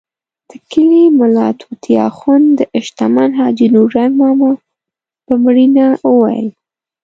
د کلي ملا طوطي اخند د شتمن حاجي نورنګ ماما په مړینه وویل.